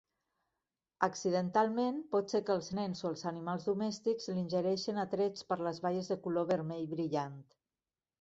Accidentalment, pot se que els nens o els animals domèstics l'ingereixin atrets per les baies de color vermell brillant.